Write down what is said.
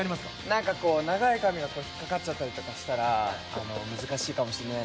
なんかこう長い髪が引っかかっちゃったりしたらできないかもしれない。